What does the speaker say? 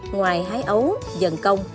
ngoài hái ấu dần công